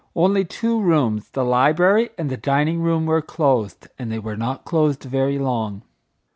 Only two rooms, the library and the dining room, were closed, and they were not closed very long.